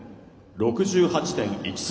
６８．１３！